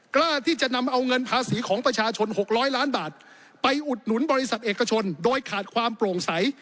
กล้าที่จะนำเอาเงินภาษีของประชาชน๖๐๐ล้านบาทไปอุดหนุนบริษัทเอกชนโดยขาดความโปร่งใส